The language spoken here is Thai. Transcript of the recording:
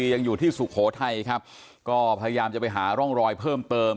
ยังอยู่ที่สุโขทัยครับก็พยายามจะไปหาร่องรอยเพิ่มเติม